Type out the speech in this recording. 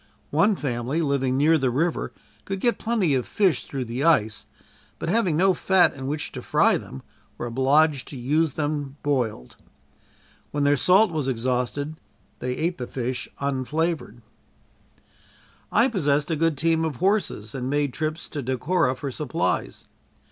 One family living near the river could get plenty of fish through the ice, but having no fat in which to fry them, were obliged to use them boiled. When their salt was exhausted, they ate the fish unflavored. I possessed a good team of horses and made trips to Decorah for supplies.